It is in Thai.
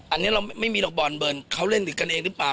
อันนี้เราไม่มีหรอกบอลเบิร์นเขาเล่นหรือกันเองหรือเปล่า